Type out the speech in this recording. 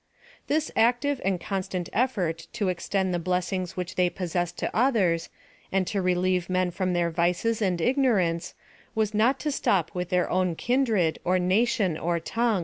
This active and constant effort to extend the blessings which they possessed to others, and to re lieve men from their vices and ignorance, was not to stop with their own kindred, or nation, or tongue.